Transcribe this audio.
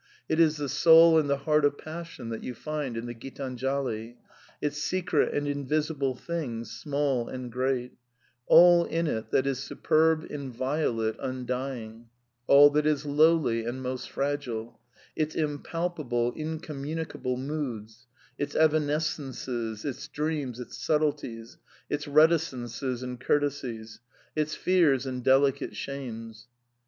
It • is the soul and the heart of passion that you find in the / Oitdnjali; its secret and invisible things, small and great ; all in it that is superb, inviolate, undying; all that is lowly, and most fragile; its impalpable, inconmiunicable moods, its evanescences, its dreams, its subtleties, its reti cences and courtesies ; its fears and delicate shames.